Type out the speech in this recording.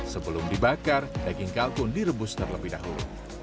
sebelum dibakar daging kalkun direbus terlebih dahulu